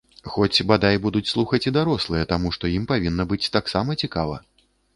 Хоць, бадай, будуць слухаць і дарослыя, таму што ім павінна быць таксама цікава.